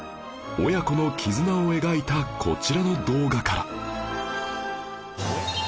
親子の絆を描いたこちらの動画から